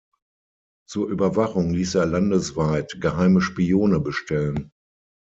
Zur Überwachung ließ er landesweit "geheime Spione bestellen".